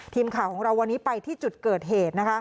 ทีมข่าวของเราวันนี้ไปที่จุดเกิดเหตุ